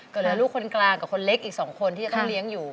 ก็เหลือลูกคนกลางกับคนเล็กอีก๒คนที่จะต้องเลี้ยงอยู่